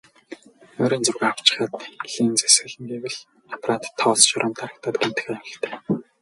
Ойрын зургаа авчхаад линзээ солино гэвэл аппарат тоос шороонд дарагдаад гэмтэх аюултай.